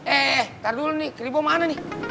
eh ntar dulu nih keribo mana nih